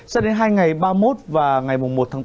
sẽ đến hai ngày ba mươi một và ngày một chín